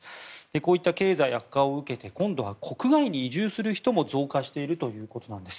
こういった経済悪化を受けて今度は国外に移住する人も増加しているということなんです。